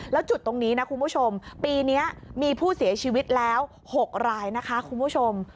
แล้วจุดตรงนี้นะคุณผู้ชมปีนี้มีผู้เสียชีวิตแล้ว๖รายนะคะคุณผู้ชม